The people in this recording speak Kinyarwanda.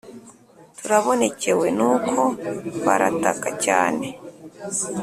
turabonekewe Nuko barataka cyane